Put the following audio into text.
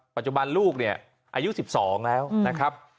ปัจจุบันลูกเนี่ยอายุ๑๒แล้วนะครับ